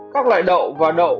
các loại đậu và đậu